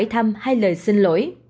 thăm hay lời xin lỗi